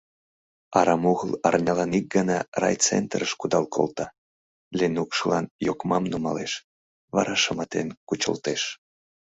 Арам огыл арнялан ик гана райцентрыш кудал колта, Ленукшылан йокмам нумалеш, вара шыматен кучылтеш...